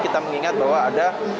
kita mengingat bahwa ada